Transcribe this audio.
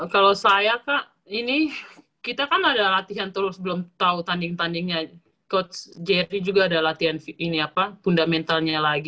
kalau saya kak ini kita kan ada latihan terus belum tahu tanding tandingnya coach jerry juga ada latihan ini apa fundamentalnya lagi